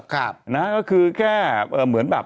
ก็คือแค่เหมือนแบบ